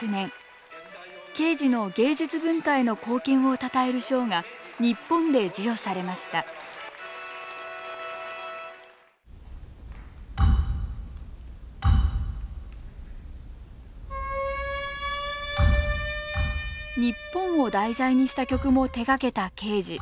ケージの芸術文化への貢献をたたえる賞が日本で授与されました日本を題材にした曲も手がけたケージ。